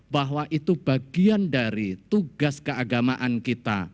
bahwa itu bagian dari tugas keagamaan kita